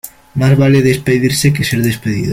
Más vale despedirse que ser despedido.